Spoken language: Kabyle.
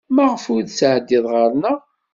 Maɣef ur d-tettɛeddid ɣer-neɣ?